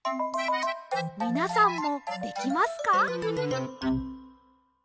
みなさんもできますか？